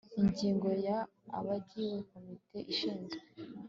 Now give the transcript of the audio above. ingingo ya abagize komite ishinzwe